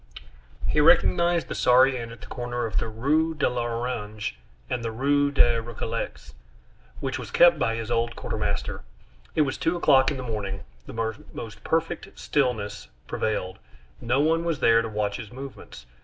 He recognized the sorry inn at the corner of the Rue de l'Orangerie and the Rue des Récollets, which was kept by his old quartermaster. It was two o'clock in the morning, the most perfect stillness prevailed, no one was there to watch his movements.